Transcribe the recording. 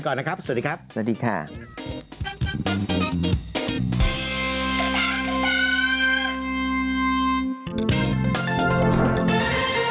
ใช่แล้วสุดต้องครับวันนี้ไปก่อนนะครับสวัสดีครับ